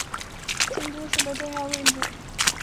京都市巴士在京都市内交通中占有重要位置。